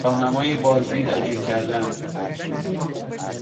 راهنمای بازدید اجیر کردن